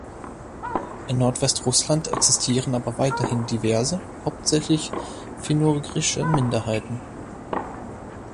In Nordwestrussland existieren aber weiterhin diverse, hauptsächlich finnougrische, Minderheiten.